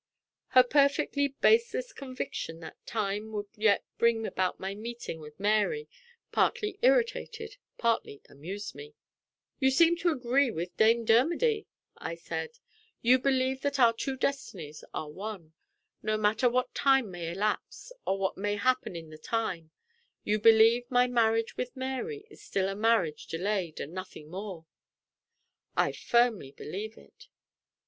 Her perfectly baseless conviction that time would yet bring about my meeting with Mary, partly irritated, partly amused me. "You seem to agree with Dame Dermody," I said. "You believe that our two destinies are one. No matter what time may elapse, or what may happen in the time, you believe my marriage with Mary is still a marriage delayed, and nothing more?" "I firmly believe it."